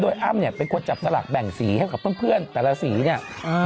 โดยอ้ามไปหัวจับสลักแบ่งสีให้กับเพื่อนแต่ละสีนี่